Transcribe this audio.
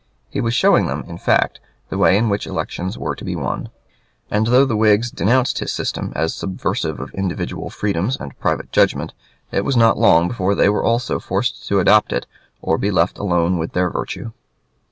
He was showing them, in fact, the way in which elections were to be won; and though the Whigs denounced his system as subversive of individual freedom and private judgment, it was not long before they were also forced to adopt it, or be left alone with their virtue.